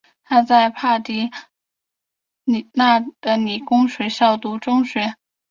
他在帕萨迪娜的理工学校读中学。